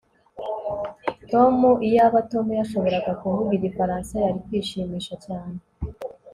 Tom Iyaba Tom yashoboraga kuvuga igifaransa yari kwishimisha cyane